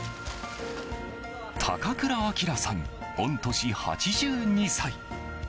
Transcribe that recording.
高倉章さん、御年８２歳。